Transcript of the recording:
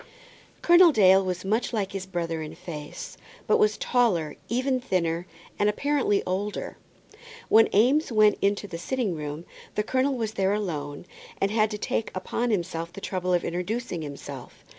Colonel Dale was much like his brother in face, but was taller, even thinner, and apparently older. When Eames went into the sitting room, the colonel was there alone, and had to take upon himself the trouble of introducing himself.